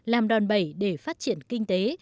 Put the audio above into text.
làm đòn bẩy để phát triển kinh tế